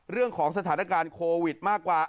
เรื่องของสถานการณ์โควิดมากกว่า